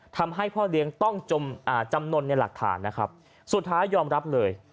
ทำให้พ่อเลี้ยงต้องจำนวนในหลักฐานนะครับสุดท้ายยอมรับเลย